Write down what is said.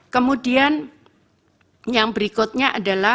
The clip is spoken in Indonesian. kemudian yang berikutnya adalah